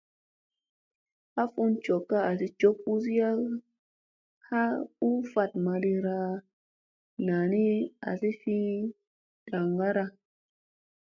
Ha fun jokka azi jok uzi ha u fat maɗira naa ni, azi fi ndaŋgara.